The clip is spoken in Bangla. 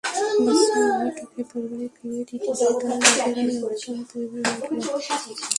বাচ্চাটাকে পরিবারে ফিরিয়ে দিতে গিয়ে, তারা নিজেরাই একটা পরিবার হয়ে উঠল।